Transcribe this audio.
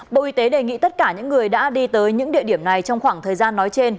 bộ y tế đề nghị tất cả những người đã đi tới những địa điểm này trong khoảng thời gian nói trên